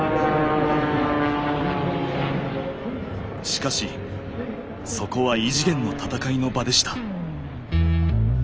しかしそこは異次元の闘いの場でした。